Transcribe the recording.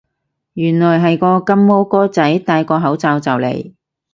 原來係個金毛哥仔戴個口罩就嚟